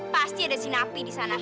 pasti ada si nabi di sana